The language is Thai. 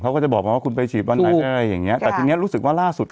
เขาก็จะบอกมาว่าคุณไปฉีดวันไหนอะไรอย่างเงี้แต่ทีนี้รู้สึกว่าล่าสุด